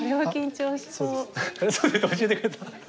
そうです。